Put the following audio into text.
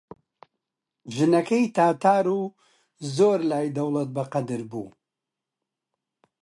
ژنەکەی تاتار و زۆر لای دەوڵەت بەقەدر بوو